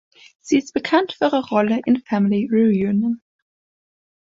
Sie ist bekannt für ihre Rolle in Family Reunion.